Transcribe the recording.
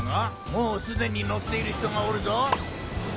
もう既に乗っている人がおるぞ。